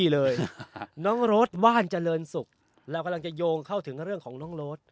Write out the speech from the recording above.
เลยน้องโรดว่านเจริญศุกร์เรากำลังจะโยงเข้าถึงเรื่องของน้องโรด